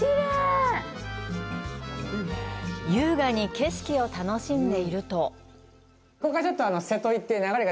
優雅に景色を楽しんでいるとえっ？